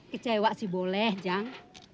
kecewa sih boleh jang